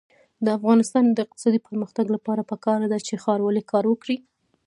د افغانستان د اقتصادي پرمختګ لپاره پکار ده چې ښاروالي کار وکړي.